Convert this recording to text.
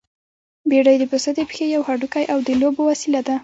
بېډۍ د پسه د پښې يو هډوکی او د لوبو وسيله ده.